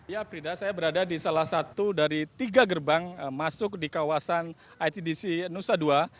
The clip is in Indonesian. ya frida saya berada di salah satu dari tiga gerbang masuk di kawasan itdc nusa dua